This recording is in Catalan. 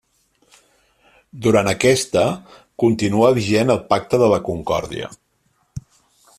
Durant aquesta, continua vigent el Pacte de la Concòrdia.